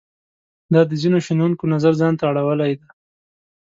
دا د ځینو شنونکو نظر ځان ته اړولای دی.